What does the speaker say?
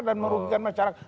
dan merugikan masyarakat